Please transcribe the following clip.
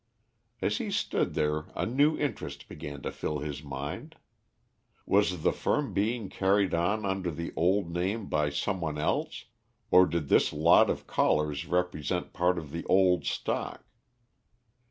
As he stood there a new interest began to fill his mind. Was the firm being carried on under the old name by some one else, or did this lot of collars represent part of the old stock?